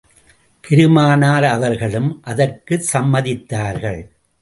பெருமானார் அவர்களும் அதற்குச் சம்மதித்தார்கள்.